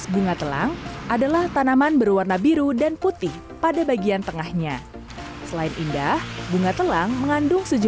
bunga telah harus dicuci bersih dan dikeringkan terlebih dahulu agar tidak timbul jamur